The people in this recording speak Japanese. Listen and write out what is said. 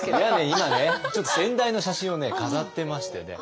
今ねちょっと先代の写真を飾ってましてね。